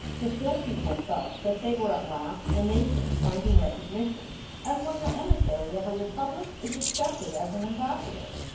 The film people felt that they were at last a nation finding recognition, as when the emissary of a republic is accepted as an ambassador.